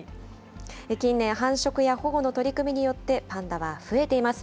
近年、繁殖や保護の取り組みによって、パンダは増えています。